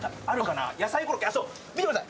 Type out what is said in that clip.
見てください。